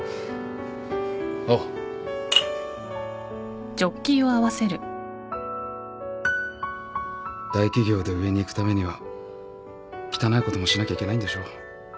おう大企業で上に行くためには汚いこともしなきゃいけないんでしょう。